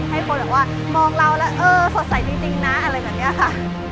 ให้คนแบบว่ามองเราแล้วเออสดใสจริงนะอะไรแบบนี้ค่ะ